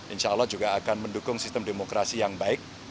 insya allah juga akan mendukung sistem demokrasi yang baik